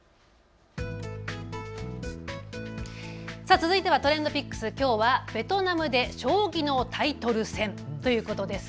続いてはＴｒｅｎｄＰｉｃｋｓ、きょうはベトナムで将棋のタイトル戦ということです。